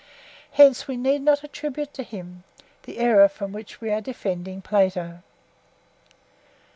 Hence we need not attribute to him the error from which we are defending Plato.